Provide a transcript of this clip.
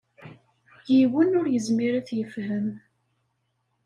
Yiwen ur yezmir ad t-yefhem.